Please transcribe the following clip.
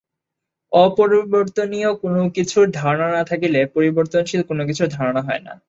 অপরিবর্তনীয় কোন কিছুর ধারণা না থাকিলে পরিবর্তনশীল কোন কিছুর ধারণা হয় না।